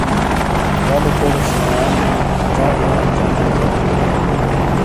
بلُوپیرے شینا نی ژا /ژلو تھینا۔